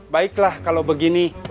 baiklah kalau begini